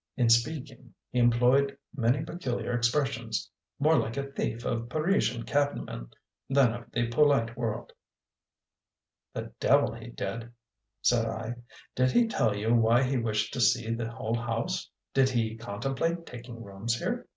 In speaking he employed many peculiar expressions, more like a thief of a Parisian cabman than of the polite world." "The devil he did!" said I. "Did he tell you why he wished to see the whole house? Did he contemplate taking rooms here?"